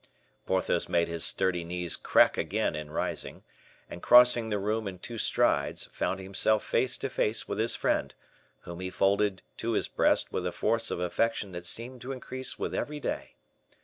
Porthos made his sturdy knees crack again in rising, and crossing the room in two strides, found himself face to face with his friend, whom he folded to his breast with a force of affection that seemed to increase with every day.